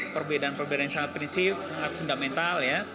perbedaan perbedaan yang sangat prinsip sangat fundamental ya